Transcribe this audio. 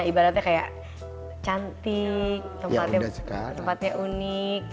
ibaratnya kayak cantik tempatnya tempatnya unik